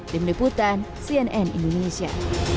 tim deputan cnn indonesia